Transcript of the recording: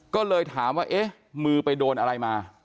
ก็เลยถามว่าเอ๊ะมือไปโดนอะไรมา